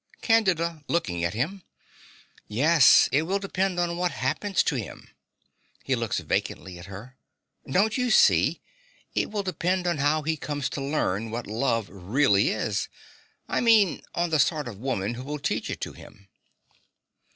CANDIDA (looking at him). Yes: it will depend on what happens to him. (He look vacantly at her.) Don't you see? It will depend on how he comes to learn what love really is. I mean on the sort of woman who will teach it to him.